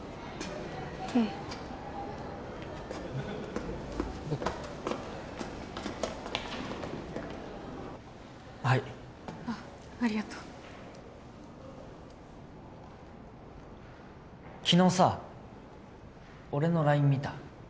うんはいありがとう昨日さ俺のＬＩＮＥ見た？